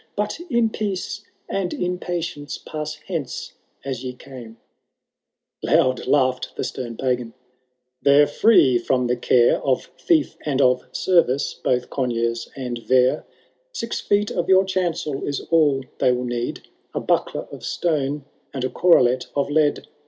But in peace and in patience pass hence as ye came/* V. Loud laughed the stem Pagan^— .'^ They're free finm the care Of fief and of service, both Conyen and Vere^ . Six feet of your chancel is all they will need, ^ A buckler of stone and a corslet of lead.